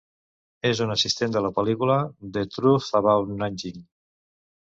És un assistent de la pel·lícula "The Truth about Nanjing".